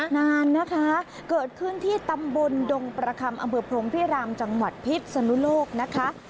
นานนะคะเกิดขึ้นที่ตำบลดงประคำอำเภอพรมพิรามจังหวัดพิษสนุโลกนะคะ